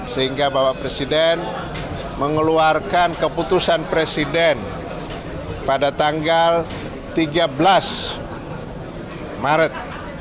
sehingga bapak presiden mengeluarkan keputusan presiden pada tanggal tiga belas maret dua ribu dua puluh tiga